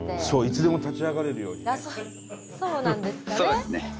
そういつでも立ち上がれるようにね。